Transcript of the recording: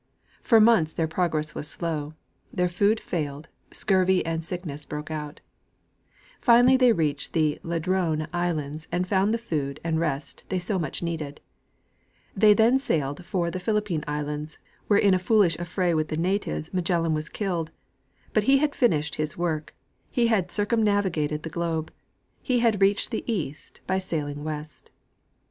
For months their prog ress was slow ; their food failed ; scurvy and sickness broke out. * Figure 1. — Magellan's Circumnavigation. Finally they reached the Ladrone islands and found the food and rest they so much needed. They then sailed for the Philip pine islands, where in a foolish affra}^ with the natives Magellan was killed ; but he had finished his work — he had circumnavi gated the globe ; he had reached the east by sailing west.